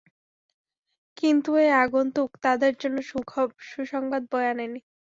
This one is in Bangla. কিন্তু এ আগন্তুক তাদের জন্য সুসংবাদ বয়ে আনেনি।